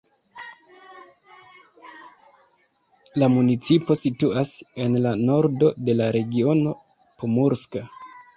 La municipo situas en la nordo de la regiono Pomurska.